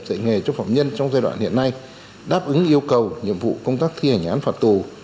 dạy nghề cho phạm nhân trong giai đoạn hiện nay đáp ứng yêu cầu nhiệm vụ công tác thi hành án phạt tù